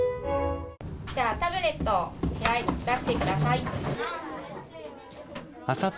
タブレット、出してください。